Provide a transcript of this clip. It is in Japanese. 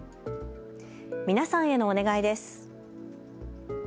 皆さんへのお願いです。